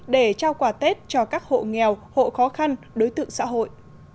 để trao quà tết cho các hộ nghèo hộ khó khăn đối tượng xã hội